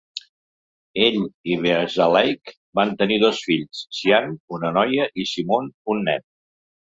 Ell i Beazleigh van tenir dos fills, Sian, una noia, i Simon, un nen.